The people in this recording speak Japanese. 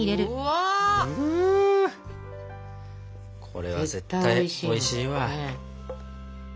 これは絶対おいしいわ。